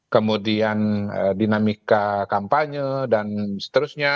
kemudian dinamika kampanye dan seterusnya